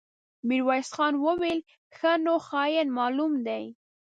ميرويس خان وويل: ښه نو، خاين معلوم دی.